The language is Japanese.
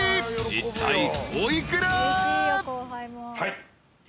いったいお幾ら？］